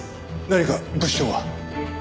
何か物証は？